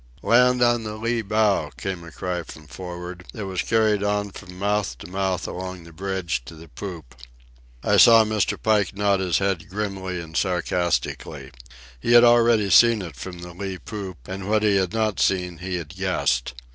"Land on the lee bow!" came a cry from for'ard, that was carried on from mouth to mouth along the bridge to the poop. I saw Mr. Pike nod his head grimly and sarcastically. He had already seen it from the lee poop, and what he had not seen he had guessed.